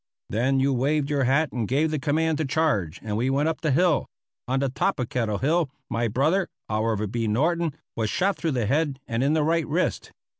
Then you waved your hat and gave the command to charge and we went up the hill. On the top of Kettle Hill my brother, Oliver B. Norton, was shot through the head and in the right wrist.